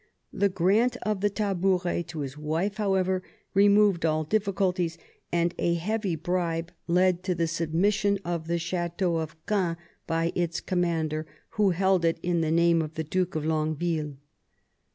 The grant of the tabouret to his wife, however, removed all difficulties, and a heavy bribe led to the submission of the chateau of G 82 MAZARIN ohap. Caen by its commander, who held it in the name of the Duke of Longueville.